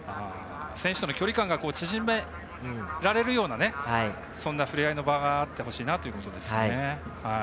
選手との距離感が縮められるようなそんなふれあいの場があってほしいなということですね。